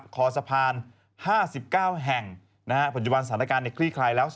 คอสะพาน๕๙แห่งปัจจุบันสถานการณ์ในคลี่คลายแล้ว